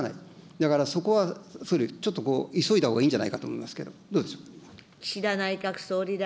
だから、そこは総理、ちょっと急いだほうがいいんじゃないかと思いますが、どうでしょうか。